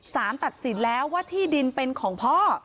สารตัดสินแล้วว่าที่ดินเป็นของพ่อ